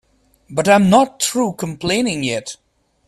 But I'm not through complaining yet.